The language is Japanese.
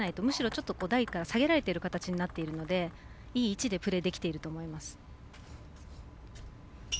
むしろ、台から下げられている形になっているのでいい位置でプレーできていると思います。